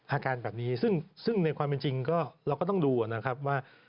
อาการแบบนี้ซึ่งในความจริงเราก็ต้องดูว่า